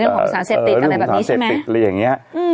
ของภาษาเสพติดอะไรแบบนี้ใช่ไหม